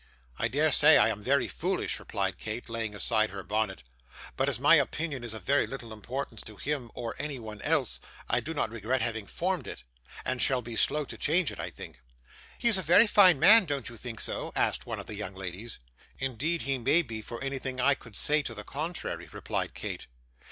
'I dare say I am very foolish,' replied Kate, laying aside her bonnet; 'but as my opinion is of very little importance to him or anyone else, I do not regret having formed it, and shall be slow to change it, I think.' 'He is a very fine man, don't you think so?' asked one of the young ladies. 'Indeed he may be, for anything I could say to the contrary,' replied Kate.